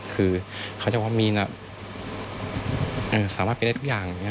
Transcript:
คือเขาจะบอกว่ามีนสามารถเป็นได้ทุกอย่าง